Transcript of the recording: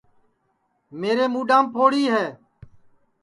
میرے موڈام پھوڑی ہے